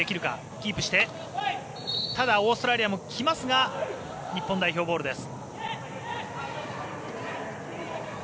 キープしてただ、オーストラリアも来ますが日本代表ボールです。